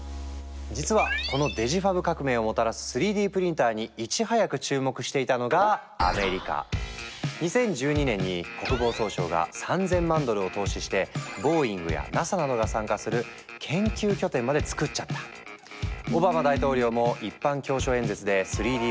実はこのデジファブ革命をもたらす３Ｄプリンターにいち早く注目していたのが２０１２年に国防総省が３，０００万ドルを投資してボーイングやＮＡＳＡなどが参加する研究拠点までつくっちゃった！と宣言。